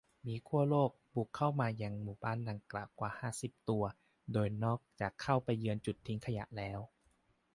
มีหมีขั้วโลกบุกเข้ามายังหมู่บ้านดังกล่าวกว่า ห้าสิบ ตัว โดยนอกจากเข้าไปเยือนจุดทิ้งขยะแล้ว